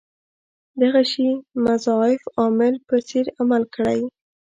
دغه شي مضاعف عامل په څېر عمل کړی.